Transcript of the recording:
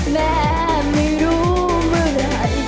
แม่ไม่รู้เมื่อไหร่